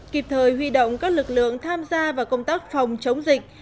kịp thời huy động các lực lượng tham gia vào công tác phòng chống dịch